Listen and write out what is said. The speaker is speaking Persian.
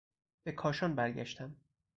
به کاشان برگشتم.